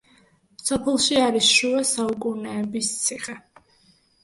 სოფელში არის შუა საუკუნეების ციხე.